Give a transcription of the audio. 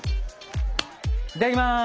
いただきます。